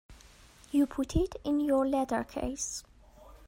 You put it in your letter-case.